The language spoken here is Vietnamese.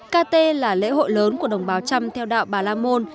đây là lễ hội lớn của đồng bào trăm theo đạo bà lam môn